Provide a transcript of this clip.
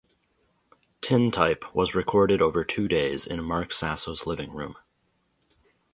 Tin Type was recorded over two days in Mark Sasso's living room.